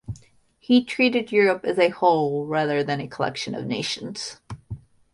He treated Europe as a whole, rather than a collection of nations.